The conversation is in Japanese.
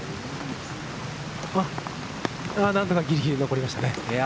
何とかギリギリ残りましたね。